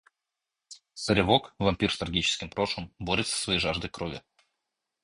Саревок, вампир с трагическим прошлым, борется со своей жаждой крови.